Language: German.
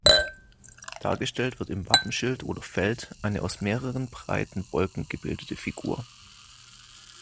Dargestellt wird im Wappenschild oder Feld eine aus mehreren breiten Wolken gebildeten Figur.